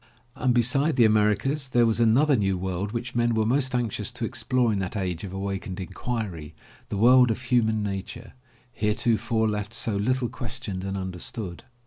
And beside the Americas there was another new world which men were most anxious to explore in that age of awakened inquiry, the world of human nature, heretofore left so little questioned and under stood.